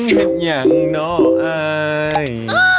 แต่ยังกำลังอยากหน่ออาย